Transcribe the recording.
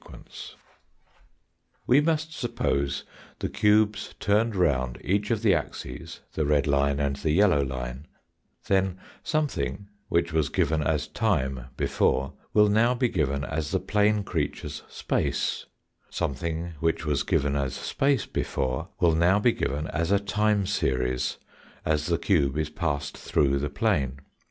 NOMENCLATURE AND ANALOGIES 153 We must suppose the cubes turned round each of the Axes, the red line, and the yellow line, then something, which was given as time before, will now be given as the plane creature's space ; something, which was given as space before, will now be given as a time series as the cube is passed through the plane.